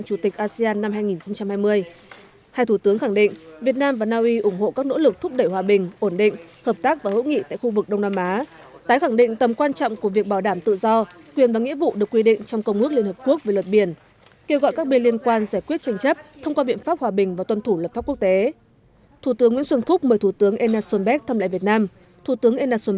cũng trong khuôn khổ chuyến thăm chính thức naui thủ tướng nguyễn xuân phúc đã hội kiến nhà vua naui hà ràn đệ ngũ